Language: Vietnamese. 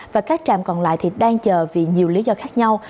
và các trạm còn lại thì đang chờ vì nhiều lý do khác nhau